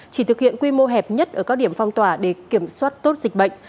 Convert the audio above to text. chỉ thực hiện quy mô hẹp nhất ở các điểm phong tỏa để kiểm soát tốt dịch bệnh